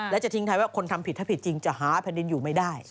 และจะทิ้งท้ายว่าคนทำผิดถ้าผิดจริงจะหาแผ่นดินอยู่ไม่ได้